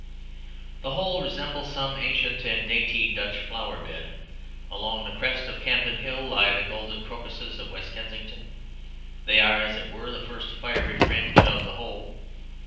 "The whole resembles some ancient and dainty Dutch flower bed. Along the crest of Campden Hill lie the golden crocuses of West Kensington. They are, as it were, the first fiery fringe of the whole.